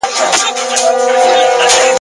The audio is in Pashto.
د چا لاس چي د خپل قام په وینو سور وي !.